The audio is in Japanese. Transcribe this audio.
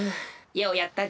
ようやったぞ。